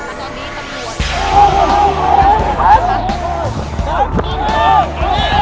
แล้วก็ไม่รู้ว่าจะลับไปทางไหน